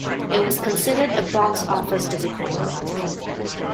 It was considered a box office disappointment.